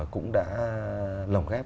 cũng đã lồng ghép